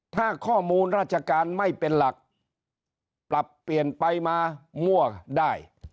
ถ้าข้อมูลราชการไม่เป็นหลักปรับเปลี่ยนไปมามั่วได้